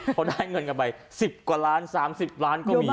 พอได้เงินกันไป๑๐กว่าล้าน๓๐ล้านก็มี